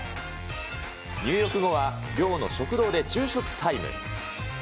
入浴後は、寮の食堂で昼食タイム。